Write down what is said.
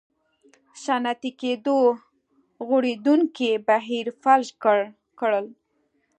صنعتي کېدو غوړېدونکی بهیر فلج کړل.